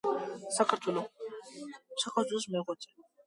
მონაწილეობდა შორაპნის მაზრის გლეხთა შეიარაღებულ აჯანყებაში.